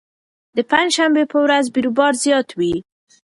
د پنجشنبې په ورځ بېروبار زیات وي.